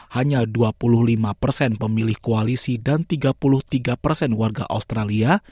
hanya dua puluh lima persen pemilih koalisi dan tiga puluh tiga persen warga australia